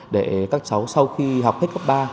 để các cháu sau khi học hết cấp ba